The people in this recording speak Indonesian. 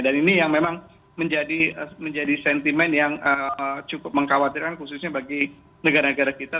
dan ini yang memang menjadi sentimen yang cukup mengkhawatirkan khususnya bagi negara negara kita